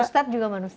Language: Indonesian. ustadz juga manusia